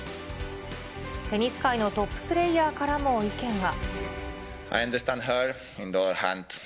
テニス界のトッププレーヤーからも意見が。